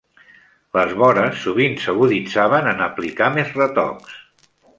Les vores sovint s'aguditzaven en aplicar més retocs.